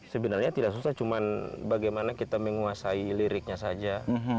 sebenarnya tidak susah cuma bagaimana kita menguasai liriknya saja